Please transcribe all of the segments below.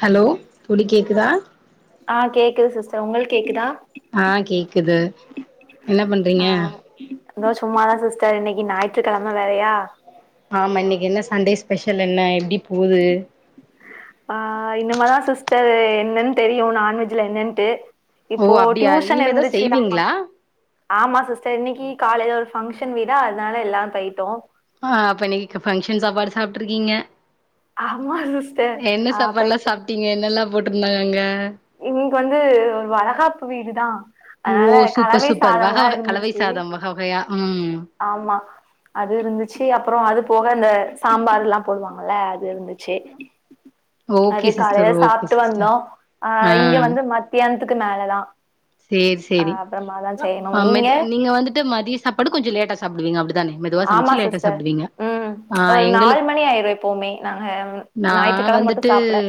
Hello தோழி கேக்குதா தா உங்களுக் கேட்குதா ஆ கேக்குது என்ன பண்றீங்க தோ சும்மாதா சிஸ்டர் இன்னைக்கி ஞாயிற்றுக்கிழம வேறயா ஆமா இன்னைக்கி என்ன சண்டே ஸ்பெஷல் என்ன எப்டி போது ஆ இனிமாதா சிஸ்டர் என்னன்னு தெரியு நான்வெஜ்ல என்னன்ட்டு ஓ இப்போ அப்டியா டியூஷன் இனிமேதா இருந்துச்சு ஆமா செய்வீங்களா ஆமா சிஸ்டர் இன்னைக்கி காலையில ஒரு ஃபங்க்ஷன் வீடா அதுனால எல்லாரு போயிட்டோ ஆ அப்ப இன்னைக்கி ஃபங்ஷன் சாப்பாடு சாப்ட்ருக்கீங்க ஆமா சிஸ்டர் என்ன ஆ சாப்பாடுல்லா போயிட்டோ சாப்ட்டீங்க என்னல்லா போட்டிருந்தாங்க அங்க இன்னைக்கு வந்து ஒரு வளகாப்பு வீடுதா ஓ அதனால சூப்பர் கலவை சூப்பர் சாதோ வக எல்லா வக கலவை இருந்துச்சு சாதம் வக வகையா ம் ஆமா அது இருந்துச்சு அப்றோ அது போக இந்த சாம்பாருல்லா போடுவாங்கல அ து இருந்துச்சு அது ஓகே சிஸ்டர் காலையில ஓகே சாப்ட்டு சிஸ்டர் வந்தோ அ ஆ இங்க வந்து மத்தியானத்துக்கு மேலதா சேரி ஆ சேரி அப்புறமாதா செய்யணு ஆ மெது நீங்க வந்துட்டு மதிய சாப்பாடு கொஞ்சோ லேட்டா சாப்டுவீங்க அப்டித் தானே மெதுவா ஆமா சமைச்சி லேட்டா சிஸ்டர் சாப்டுவீங்க ம் ஆ ஒரு நாலு எங்களுக் மணி ஆயிரு எப்பவுமே நாங்க நா நா ஞாயிற்றுக்கிழம மட்டு வந்துட்டு சாப்ட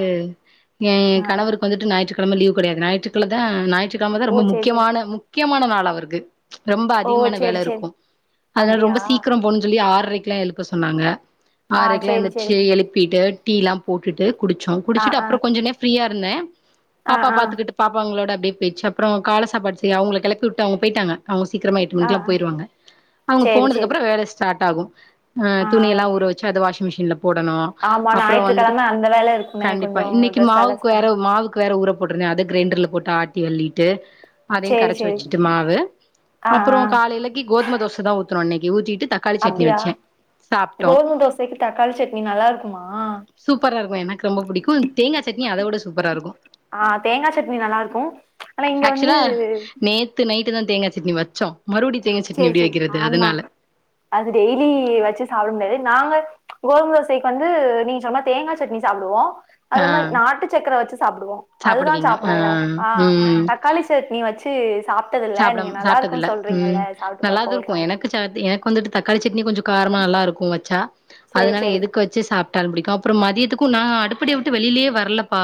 ஏ ஆ ஆ கணவருக்கு வந்துட்டு ஞாயிற்றுக்கெழம லீவு கெடையாது ஞாயிற்றுக்கெழ தா ஞாயிற்றுக்கெழமதா ஓ ரொம்ப சேரி சேரி முக்கியமான முக்கியமான நாள் அவருக்கு ரெம்ப ஓ அதிகமான சேரி வேல சேரி இருக்கு அதனால அப்டியா ரொம்ப சீக்கிரோ போணுன்னனு சொல்லி ஆறரைக்கு எல்லா எழுப்ப சொன்னாங்க ஆ ஆறரைக்கெல்லா சேரி சேரி எந்திரிச்சி எழுப்பீட்டு டீல்லா போட்டுட்டு குடிச்சோ ஆ குடிச்சிட்டு ஆ அப்பறோ கொஞ்சோநே ஃப்ரீயா இருந்தே ஆ பாப்பா ஆ ஆ பாத்துக்கிட்டு பாப்பாங்களோட போய்ச்சி அப்றோ கால சாப்பாடு செய்ய அவுங்கள கெளப்பி விட்டு அவங்க போய்ட்டாங்க அவுங்க சீக்கரமா எட்டு ஆ மணிக்கெல்லா போயிருவாங்க அவங்க சேரி போனதுக்கு சேரி அப்பறோ வேல ஸ்டார்ட் ஆகு ஆ துணி எல்லா ஊற வச்சி அத வாஷி்ங் மிஷின்ல போடணு ஆமா அப்பறோ வந்துட்டு ஞாயிற்றுக்கிழம அந்த வேல இருக்குமே கண்டிப்பா கொஞ்சோ இன்னக்கி ட்ரெஸ் மாவுக்கு அலஸ் பண்ண வேற மாவுக்கு வேற ஊறப் போற்றுந்தே அத கிரைண்டர்ல போட்டு ஆட்டி அல்லீட்டு அதயு சேரி கரச்சி சேரி வச்சிட்டு மாவு ஆ அப்பறோ ஆ காலேலயிக்கு கோதும தோச தா ஊத்துனோ இன்னக்கி ஊத்தீட்டு தக்காளி சட்னி அப்டியா வச்சே சாப்ட்டோ கோதும தோசைக்கி தக்காளி சட்னி நல்லா இருக்குமா சூப்பரா இருக்கு எனக்கு ரொம்ப பிடிக்கு தேங்காய் சட்னி அத விட சூப்பரா இருக்கு ஆ தேங்கா சட்னி நல்லா இருக்கு ஆனா இங்க வந்து ஆக்சுவலா நேத்து நைட்டு தா தேங்கா சட்னி வச்சோ மறுபடியு தேங்கா சட்னி சேரி எப்டி சேரி வைக்கிறது ஆமா அதனால அது டெய்லி வச்சி சாப்ட முடியாது நாங்க கோதும தோசைக்கி வந்து நீங்க சொன்ன மாரி தேங்கா சட்னி சாப்டுவோ அத ஆ மாதிரி நாட்டு சக்கர வச்சி சாப்டுவோ அதுதா சாப்பிடுவீங்க ஆ சாப்டுவோ ஆ தக்காளி சட்னி வச் சாப்டம் சாப்ட்டதுல்ல சொல்றீங்கல்ல ம் சாப்ட்டு நல்லாது பாப்போ ஒரு இருக்கு நாள் எனக்கு சட் எனக்கு வந்துட்டு தக்காளி சட்னி கொஞ்சோ காரமா நல்லா இருக்கு வச்சா சேரி அதனால சேரி எதுக்கு வச்சி சாப் டாலு பிடிக்கு அப்பறோ மதியத்துக்கு நா அடுப்படிய விட்டு வெளிலயே வர்லப்பா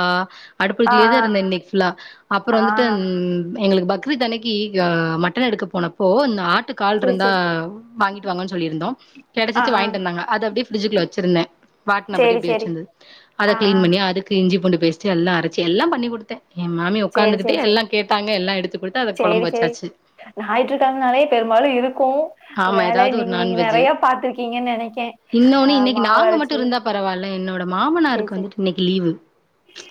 ஆ அடுப்படிலயே தா இருந்தே இன்னக்கி ஃபுல்லா அப்பறோ ஆ ஆ வந்துட்டு எங்களுக்கு பக்ரித் அன்னக்கி மட்டன் எடுக்க போனப்போ இந்த ஆட் டு கால் சேரி இருந்தா சேரி வாங்கிட்டு வாங்கன்னு சொல்லிருந்தோ ஆ கிடைச்சிச்சி ஆ வாங்கிட்டு வந்தாங்க அது அப்படியே பிரிட்ஜக்குல்ல வச்சிருந்தே வாட்னபடி சேரி இப்டியே சேரி வச்சிருந்தது அத ஆ ஆ கிளீன் பண்ணி அதுக்கு இஞ்சி பூண்டு பேஸ்ட் எல்லா அரச்சி எல்லா பண்ணி குடுத்தே ஏ மாமி சேரி ஒக்காந்துகிட்டே சேரி சேரி எல்லா கேட்டாங்க எல்லா எடுத்து குடுத்து அத சேரி கொழம்பு சேரி வச்சாச்சு ஞாயிற்றுக்கெழமனாலே பெரும்பாலு இருக் கு ஆமா வேல ஏதாவது ஒரு இன்னக்கி நீங்க நான்வெஜ்ஜு நெறைய பாத்துருக்கீங்கன்னு நெனக்கே ஆ இன்னொன்னு இன்னைக்கு நாங்க மட்டு மாவரைச்சி இருந்தா பரவால்ல என்னோட மாமனாருக்கு வந்துட்டு இன்னக்கி லீவு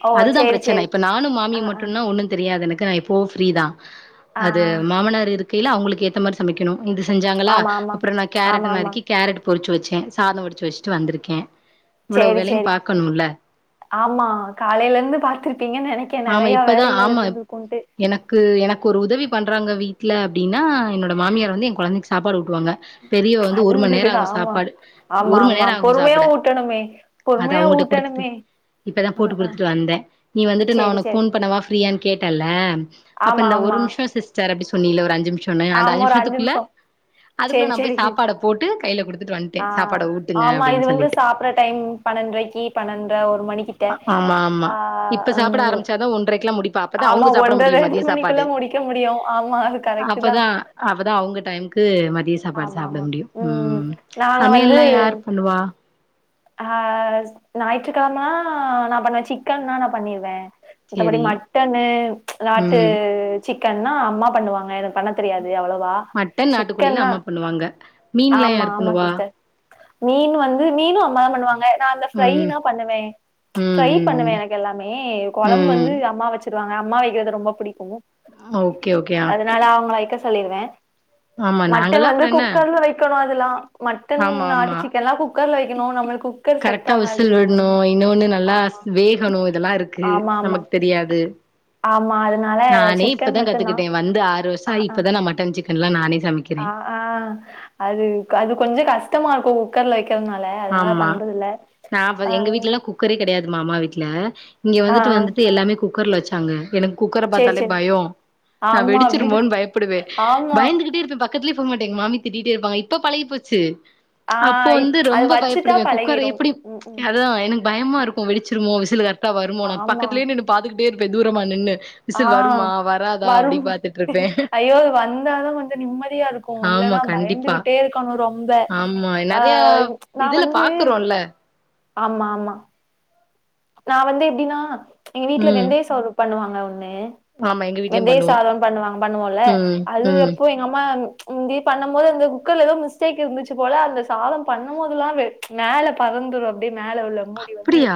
ஓ அதுதா சேரி பிரச்சன சேரி இப்ப நானு ஆ மாமியு ஆ மட்டுன்னா ஒண்ணு தெரியாது எனக்கு நா எப்போவு ஃப்ரீதா ஆ அது ஆ. மாமனார் இருக்கைல அவுங்களுக்கு ஏத்த மாரி சமைக்கணு இந்திஸ் செஞ்சாங்களா ஆமா ஆமா அப்பறோ நா ஆமா கேரட்ட ஆமா நறுக்கி கேரட் பொறிச்சி வச்சே சாதோ வடிச்சி வச்சிட்டு வந்துருக்கே இவ்ளோ சேரி வேலையு சேரி பாக்கணும்ல ஆமா காலேல இருந்து பாத்துருப்பீங்கன்னு நெனக்கே ஆமா நெறையா இப்பதா வேலைகள் ஆமா இருந்துருக்குன்ட்டு எனக்கு எனக்கு ஒரு உதவி பண்றாங்க வீட்ல அப்டின்னா என்னோட மாமியார் வந்து என் கொழந்தைக்கு சாப்பாடு ஊட் டு வாங்க பெரியவ வந்து அது ஒரு மணி நேரோ ஆகு ஆமா சாப்பாடு ஆமா ஒரு மணி நேரோ ஆகு சாப்பிட அது வே அவங்கட்ட குடுத்துட்டு ஊட்டனுமே இப்பதா போட்டு குடுத்துட்டு வந்தே நீ வந்துட்டு நா சேரி உனக்கு சேரி போன் பண்ணவா ஃப்ரீயான்னு கேட்டல்ல அப்ப ஆமா இந்த ஒரு ஆமா நிமிஷோ சிஸ்டர் அப்டி சொன் னேன்ல ஒரு அஞ்சி நிமிஷோன்னு அந்த ஆமா அஞ்சி ஒரு அஞ்சு நிமிஷத்துக்குள்ள நிமிஷோ அதுக்குள்ள சேரி நா போய் சேரி சாப்பாட போட்டு கையில குடுத் ஆ ஆமா இது வந்து சாப்ட்ற டைம் பன்னென்றரைக்கி பன்னென்றரை ஒரு மணிக்கிட்ட ஆமா ஆமா ஆ இப்ப சாப்ட ம் ஆரம்பிச்சாதா ஒன்றைக்கெல்லா முடிப் பா அப்பதா ஆமா அவுங்க சாப்ட ஒன்ற முடியு ரெண்டு மதிய மணிக்குள்ள சாப்பாடு முடிக்க முடியு ஆமா அது கரெக்ட் தா அப்பதா அப்பதா அவுங்க டயம்க்கு மதிய சாப்பாடு ஆமா சாப்ட ஆமா முடியு ம் நாங்க வந்து சமையல்லா யார் பண்ணுவா ஆ ஞாயிற்றுக்கெழமனா நா பண்ணுவே சிக்கன்னா நா பண்ணிருவே மத்தபடி சேரி மட்டன்னு நாட்டு ம் சிக்கன்னா அம்மா பண்ணுவாங்க எனக் பண்ண தெரியாது அவ்வளவா மட்டன் நாட்டுக்கோழிலா சிக்கன்னா அம்மா பண்ணுவாங்க மீன்லா ஆமா யார் ஆமா பண்ணுவா சிஸ்டர் மீன் வந்து மீனு அம்மாதா பண்ணுவாங்க நா அந்த ம் ஃப்ரைனா பண்ணுவே ம் ஃப்ரை ம் பண்ணுவே ம் எனக்கு எல்லாமே கொழம்பு ம் வந்து அம்மா வச்சு ருவாங்க அம்மா வைக்கிறது ரொம்ப புடிக்கு ஓகே ஓகே ஓகே அதுனால அவுங்கல வைக்க சொல்லிருவே ஆமா மட்டன் நாங்கல்லா வந்து அப்றோ என்ன குக்கர்ல வெக்கணு அது க்குலா மட்டன் ஆமா நாட்டு ஆமா சிக்கன்லா குக்கர்ல வெக்கணு நம்ளுக்கு கரெக்டா விசில் விடணு இன்னொன்னு நல்லா ஆமா வேகணு இதெல்லா இருக்கு ஆமா ஆமா நமக்கு தெரியாது ஆமா அதனால நானே சிக்கன் இப்பதா மட்டுந்தா கத்துக்கிட்டே வந்து ஆறு வருஷோ ஆ ஆயி ஆ இப்பதா நா மட்டன் சிக்கன்லா நானே ஆ சமைக்கிறே அ அது அது கொஞ்சோ கஷ்டமா இருக்கு குக்கர்ல வெக் ஆமா நா அப்ப ஆ எங்க வீட்லல்லா குக்கரே கெடையா து மாமா வீட்டுல இங்க ஆ வந்துட்டு ஆ வந்துட்டு எல்லாமே குக்கர்ல வச்சாங்க எனக்கு குக்கர சேரி பாத்தாலே சேரி பயோ நா ஆமா அப்டிதா வெடிச்சிருமோன்னு பயப்பிடுவே ஆமா பயந்துகிட்டே இருப்பே ப க்கத்துலே போமாட்டே எங்க மாமி திட்டிட்டே இருப்பாங்க இப்ப பழகி போச்சு ஆ அப்போ இப் வந்து அது ரொம்ப வச்சுட்டா பயப்படுவே குக்கர் பழகிரும் எப்டி ம் ம் அதா எனக்கு பயமா இருக்கு வெடிச்சிருமோ விசில் கரெட்டா வருமோ நா ஆமா பக்கத்துலே நின்னு பாத்துக்கிட்டே இருப்பே தூரமா நின்னு ஆ விசில் வருமா வராதா அப்டி வரும் பாத்துட்டு இருப்பே ஐயோ அது வந்தாதா கொஞ்ச நிம்மதியா இருக்கு இல்ல ஆமா லன்னா கண்டிப்பா பயந்துகிட்டே இருக்கணு ரொம்ப ஆமா அ நெறையா இதுல பாக்குறோல்ல ஆமா ஆமா நா வந்து எப்டின்னா எங்க வீட்ல ம் வெந்தய சோறு பண்ணுவாங்க னு ஆமா எங்க வீட்லயு வெந்தய பண்ணுவோ சாதம் பண்ணுவாங்க பண்ணுவோல ம் அது ம் எப்பவு எங்க அம்மா இப்டி பண்ணும் போது அந்த குக்கர்ல எதோ மிஸ்டேக் இருந்துச்சு போல அந்த சாதம் பண்ணும் போதெல்லா மேல பற ந்துரு அப்டியே மேலே உள்ள மூடி வந்து அப்டியா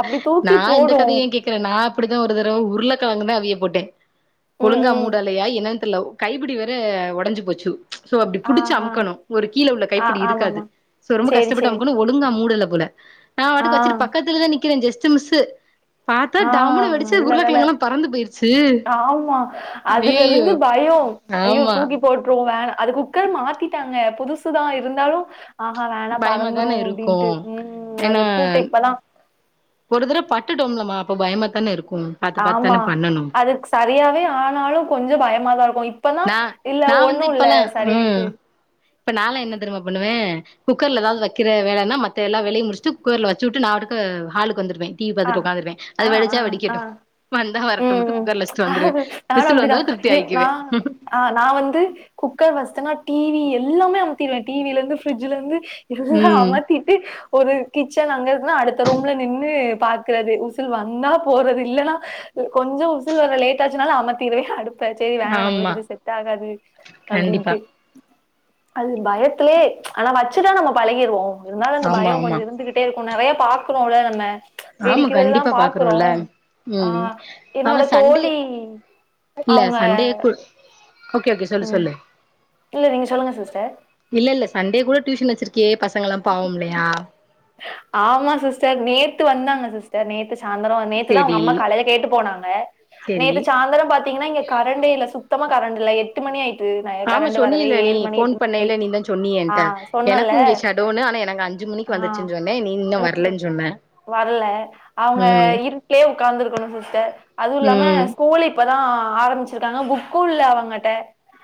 அப்டி நா தூக்கி இந்த போடும் கதைய ஏ கேக்குற நா அப்படிதா ஒரு தடவ உருளைக்கிழங்குனு அவிய போட்டே ம் ஒழுங்கா ம் மூடலையா என்னனு தெர்ல கைப்பிடி வேற ஒடஞ்சு போச்சு சோ அப்டி ஆ புடிச்சு அமுக்கணு ஒரு கீழ உள்ள ஆ ஆ கைப்பிடி இருக்காது ஆமாமா சோ ரொம்ப சேரி கஷ்டப்பட்டு சேரி அமுக்கணு ஒழுங்கா மூடல போல நா ஆ வாட்டுக்கு வச்சுட்டு பக்கத்துலேதா நிக்குறே ஜஸ்ட்டு மிஸ்ஸு பாத்தா ஆ டம்முனு வெடிச்சு நல்ல உருளைக் வேல கெழங்கல்லா பறந்து போயிருச்சு ஐய்யயோ ஐயோ ஐயோ தூக்கி போட்ருவோ வேனா அது குக்கர் மாத்திட்டாங்க புதுசுதா இருந்தாலு ஆஹா வேணா பயமா பறந்துரு தான இருக்கு அப்டின்ட்டு ம் அது ஏன்னா பூட்டு இப்பதா ஒரு தர பட்டுட்டோம்லமா அப்ப பயமா தான இருக்கு பாத்து பாத்து ஆமா தான பண்ணணு அதுக்கு சரியாவே ஆனாலு கொஞ்சொ பயமாதா இருக்கு இப்பதா நா இல்ல நா ஒண்ணு வந்து இல்ல இப்பல்லா ம் சரியாயிட்டு இப்ப நாலா என்ன தெரிம்மா பண்ணுவே குக்கர்ல எதாவது வெக்கிற வேலன்னா மத்த எல்லா வேலயு முடிஸ்ட்டு குக்கர்ல வெச்சுவுட்டு நா வாட்டுக்க ஹாளுக்கு அ அ அ ஹ வெடிக்கட்டு வந்தா ம் வரட்டும்ட்டு ம் குக்கர்ல வச்சுட்டு வந்துருவே அது நானு விசில் அப்டிதா வந்தாலு திருப்தி ஏ நா ஆயிக்குவே அ நா வந்து குக்கர் வஸ்டனா டிவி எல்லாமே அமத்திருவே டிவிலந்து ஃபிரிட்ஜ்லந்து எல்லா ம் அமத்திட்டு ஒரு கிச்சன் அங்க இருக்குன்னா அடுத்த ரூம்ல நின்னு பாக்குறது விசில் வந்தா போறது இல்லேன்னா கொஞ்சோ விசில் வர லேட் ஆச்சுனாலு அமைத்திருவே அடுப் ப்ப செரி வேணா ஆமா நம்மளுக்கு இது செட் ஆகாது கண்டிப்பா அப்டின்ட்டு அது பயத்துலே ஆனா வெச்சுட்டா நம்ம பழகிருவோ இருந்தாலு அந்த பய ஆமா ஆமா கொஞ்சோ இருந்துகிட்டே இருக்கு நறைய பாக்குறோல்ல நம்ம ஆமா வெடிக்கிறதெல்லா கண்டிப்பா பாக்குறோ பாக்குறோல்ல ஆ ம் என்னோட ஆமா சண்டே தோழி இல்ல அவங்க சண்டே ஓகே ஓகே சொல்லு ம் சொல்லு இல்ல நீங்க சொல்லுங்க சிஸ்டர் இல்ல இல்ல சண்டே கூட டியூஷன் வெச்சிருக்கியே பசங்கலா பாவம்லையா ஆமா சிஸ்டர் நேத்து வந்தாங்க சிஸ்டர் நேத்து சாந்தரோ நேத்துதா அவுங்க சேரி அம்மா காலைல கேட்டு போனாங்க சேரி நேத்து சாந்தரோ பாத்தீங்கன்னா இங்க கரண்டே இல்ல சுத் சத்தமா கரண்டு இல்ல எட்டு மணி ஆயி ஆமா சொன்னீல நீ போன் பண்ணேல ஆயிட்டு நீ தா சொன்னியே ஆ ஏன்ட்ட சொன்னல எனக்கு இங்க சடௌன்னு ஆனா எனக்கு அஞ்சு மணிக் வந்துருச்சுன் ஆ சொன்னே நீ இன்னு வரலன் சொன்ன வரல அவுங்க ம் இருட்லயே உட்காந்துருக்கணு சிஸ்டர் அதுவுல்லாம ம் ஸ்கூலு இப்ப தா ஆரம்பிச்சிருக்காங்க புக்குல்ல அவங்கட்ட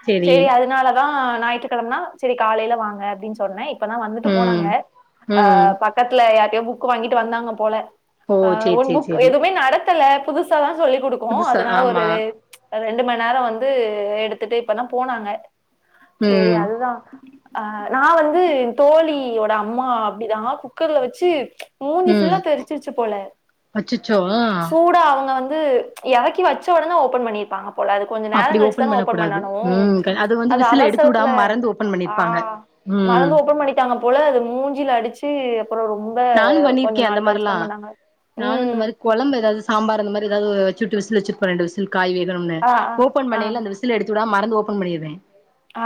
செரி சேரி அதனால தா ஞாயிற்றுக்கெழம செரி காலையில வாங்க அப்டினு சொன்னே இப்பதான் வந்துட்டு ம் போனாங்க அ ம் பக்கத்துல யார்ட்டயோ புக்கு வாங்கிட்டு வந்தாங்க போல ஓ சேரி சேரி ஒருபுக் சேரி எதுவுமே நடத் தல புதுசா தான் சொல்லி குடுக்குவோ புதுசா அதனால ஒரு ஆமா ரெண்டு மண்நேரம் வந்து எடுத்துட்டு இப்பதான் போனாங்க சேரி ம் அதுதா அஹ் நா வந்து தோழியோட அம்மா அப்டிதான் குக்கர்ல வச்சு மூஞ்சி ம் ஃபுல்லா தெருச்சுருச்சி போல அச்சச்சோ ஆ சூடா அவுங்க வந் து எறக்கி வச்சொடனே ஓபன் பண்ணிருப்பாங்கப் போல அது கொஞ்ச நேரோ அப்டி கழிச்சுதானே பண்ண ஓபன் கூடாது பண்ணனும் ம் வந்து அது விசில் எடுத்து அவசரத்துல விடாம மறந்து ஓபன் பண்ணிருப்பாங்க ஆஹ் ம் மறந்து ஒப்பன் பண்ணிட்டாங்க போல அது மூஞ்சிலடுச்சு நானு பண்ணிருக்கே அந்த மாரிலா பண்ணாங்க நானு இந்த ம் மாரி கொழம்பு ஏதாவது சாம்பார் இந் மாரி எதாவது வச்சுட்டு விசில் வச்சுருப்பே ரெண்டு விசில் காயி வேகனுன்னு ஆ ஆ ஓபன் ஆ பண்ணேல அந்த விசில் எடுத்துடாம மறந்து ஓபன் பண்ணிருவே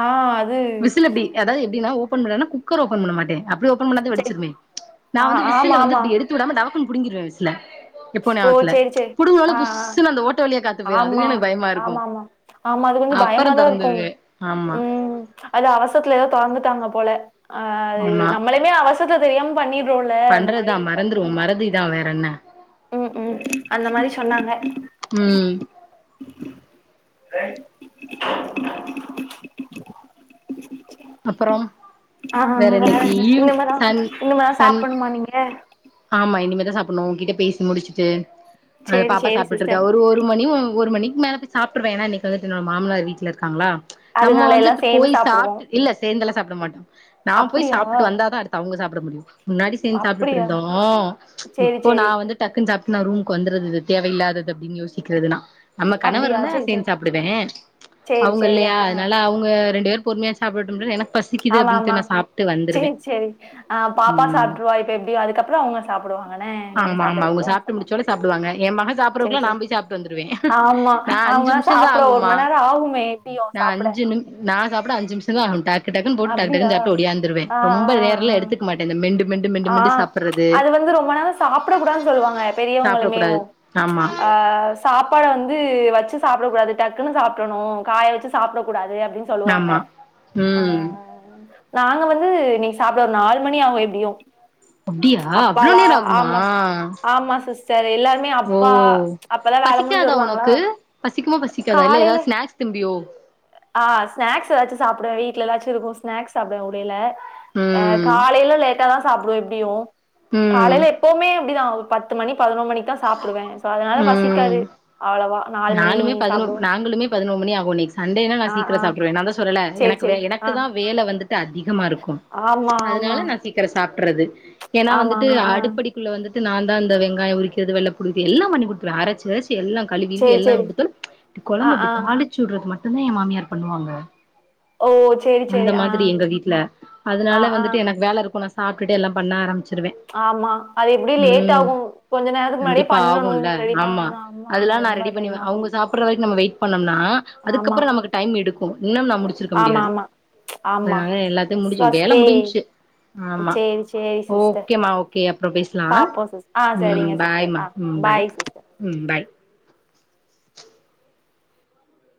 ஆ அது விசில் எப்டி அதாவது எப்டின்னா ஓ பண்ணேனா குக்கர் ஓபன் பண்ண மாட்டே அப்டி ஓபன் பண்ணா தா சேரி வெடுச்சுருமே நான் ஆ வந்து விசிலு ஆமா வந்து ஆமா இப்டி எடுத்து விடாம டபக் குனு புடுங்கிருவே விசில எப்போ ஓ ஞாபத்துல சேரி சேரி புடுங்குனோன ஆ ஆ புஸ்ஸுன்னு அந்த ஓட்ட வழியே காத்து போயிரு ஆமா அதுவே எனக்கு பயமாருக்கோ ஆமா ஆமா ஆமா அது கொஞ்சம் அப்பறோ தொறந்துருவே ஆமா அத அவசர்த்ல எதோ தொரந்துட்டாங்க போல அஹ் அது ஆமா நம்மளுமே அவசர்த்துல தெரியாம பண்ணிற்றோல அந்த பண்றதுதா மாரி பண்ணி மறந்துருவோ மறதிதா வேற என்ன ம் ம் அந்த மாரி சொன்னாங்க ம் டேய் அப்பறோம் வேற இன்னக்கி என்ன? ஈவ் இனிமேதான் சன் இனிமேதான் சன் சாப்பிடணுமா நீங்க ஆமா இனிமேல் தாசாப்புடுணு உங்கிட்ட பேசி முடிச்சுட்டு அ சரி பாப்பா சரி சாப்ட்டுட்டு இருக்கா சிஸ்டர் ஒரு ஒரு மணி ஒரு மணி மேல போய் சாப்ட்ருவே ஏனா இனக்கி வந்துட்டு என்னோட மாம்னார் வீட்ல இருக்காங்லா நம்ம அதனால எல்லாம் வந்துட்டு சேர்ந்து போயி சாப் சாப்பிடுவோம் இல்ல சேர்ந்தலா சாப்ட மாட்டோ நா போய் அப்படியா சாப்ட்டுட்டுவந்தாதா அடுத்து அவுங்க போய் சாப்ட முடியு முன்னாடி சேந்து அப்படியா சாப்ட்டுட்டுருந்தோ சரி இப்போ நா சரி வந்து டக்குனு சாப்ட் நா ரூமுக்கு வந்துர்ரதுது தேவையில்லாதது அப்டின்னு யோசிக்கிறதுனா நம்ம அப்படியா கணவர்ருந்தா சரி சேந்து சரி சாப்டுவே சரி சரி அவுங்கல்லையா ஆ ஆ அதனால அவுங்க ரெண்டு பேர் பொறுமையா ச அபுடுன்டு எனா ஆலானா சேரி சேரி ஆஹ் பாப்பா ம் சாப்ட்ருவா இப்ப எப்டியு அதுக்கப்றம் அவுங்க சாப்டு வாங்கனே நீங்க ஆமா ஆமா அவங்க சாப்டதக்கப்றோ சாப்ட்டு சொல்வாங் முடிச்சோனே சாப்டுவாங்க என் மக சேர் சாப்புறதுக்குள்ள நா சேரி போய் சாப்ட்டு வந்துருவே ஆம்மா நா அஞ்சு அவுங்க நிமிஷந்தா சாப்ட ஒரு ஆகுமா மநேரோ ஆவுமே எப்டியும் சாப்ட துல்லா டக்கு டக்குனு போட்டு டக்கு அப்டியா டக்குனு சாப்ட்டு ஓடியாந்துருவேன் ரொம்ப நேரல எடுத்துக் மாட்டே இந்த மெண்டு மெண்டு மெண்டு மெண்டு ஆஹ் சாப்புறது அது வந்து ரொம்ப நேரோ சாப்டகூடாது சொல்வாங்க சாப்டக் பெரியவங்களுமேவு கூடாது ஆமா அஹ் சாப்பாட வந்து வச்சு சாப் டகூடாது டக்னு சாப்டரணு காய வச்சு சாப்டக் கூடாது அப்டினு சொல்வாங்க ஆமா ம் ஆஹ நாங்க வந்து இனிக்சாப்ட ஒரு நாலு மணி ஆவு எப்டியு அப்டியா அவ்ளோ அப்பாலா நேரோ ஆகுமா ஆமா ஆமா சிஸ்டர் எல்லாருமே அப்பா அப்ப தான் வேல முடிஞ்சு க்யாதா வருவாங்களா உனக்கு பசிக்குமா பசிக்காதா இல்ல ஏதாவது ஸ்னாக்ஸ் திம்பியோ ஆஹ ஸ்நாக்ஸ் ஏதாச்சு சாப் வீட்ல எதாச்சும் இருக்கு ஸ்நாக்ஸ் சாப்டுவ உடைல அஹ் ம் காலேல லேட்டா தான் சாப்டுவ எப்டியு ம் காலையில எப்வுமே இப்படிதான் ஒரு பத்து மணி பதினொர் மணிக் தா சாப்டுவே சோ அதனால பசிக்காது ம் அவளவா நாலு மணி சாப்டுவோ ஓ னிக் சண்டேனா நா ஆ சீக்கிரோ ஆ சாப்டுறுவே நா தா சொன்னல்ல சேரி எனக் வே சேரி எனக்கு ஆ தா வேல வந்துட் டு அதிகமா இருக்கும் ஆமா ஆமா அதனால நா சீக்கிர சாப் றது ஏன்னா ஆமா வந்துட்டு ஆமா ஆ அடுப்படிக்குள்ள வந்துட்டு நான் தான் இந்த வெங்காயம் உரிக்க ரது வெள்ள பூடு உரிச்சி எல்லா பண்ணி குடுத்துறுவ அரச் அரச் எல்லா கழுவி வி சேரி எல்லா சேரி ஆ கொடுத்தாலு இப்டி ஆ தாளிச்சுடுறது மட்டு தா எ மாமியார் பண்ணுவாங்க ஓ சேரி அந்த சேரி ஆ மாதிரி எங்க வீட்ல ஆ அதனால ஆ வந்துட்டு எனக்கு வேல இருக்குன்னா சாப்ட்டுட்டு எல்லா பன்ன ஆரம்ச் ஆமா அது எப்டி லேட் ஆகு கொஞ்ச நேர முன்னாடியே கண்டிப்பா பண்ணனு ஆகும்ல ரெடி பண்ணணு ஆமா ஆமா அதெல்லா ரொம்ப டைம் ஆகு நா அதுக்கப்பறோ நமக்கு டைம் எடுக்கு இன்னு நா முடிச்சிருக்க ஆமா முடியாது ஆமா ஆமா அதனால எல்லாத்தையு முடிஞ்சு வேல ஃபர்ஸ்ட்டே முடிஞ்ச்சு ஆமா சேரி சேரி சிஸ்டர் ஓகேமா ஓகே அப்றோ பேசலா பாப்போம் சிஸ் ஆ ம் சரிங்க பாய் பாய் சிஸ்டர் மா ஆ ம் பாய் சிஸ்டர் ம் பாய்